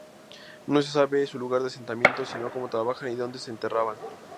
No se sabe su lugar de asentamiento sino como trabajaban y donde se enterraban.